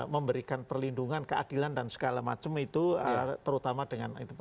memberikan perlindungan keadilan dan segala macam itu terutama dengan itu